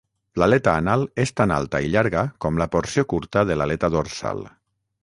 L'aleta anal és tan alta i llarga com la porció curta de l'aleta dorsal.